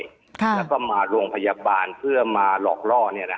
แล้วก็มาโรงพยาบาลเพื่อมาหลอกล่อ